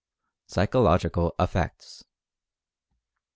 PSYCHOLOGICAL EFFECTS.